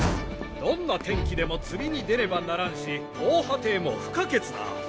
どんな天気でも釣りに出ねばならんし防波堤も不可欠だ。